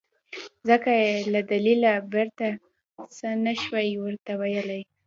ځکه يې له دليله پرته څه نه شوای ورته ويلی.